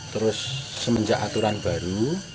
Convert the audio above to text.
terus semenjak aturan baru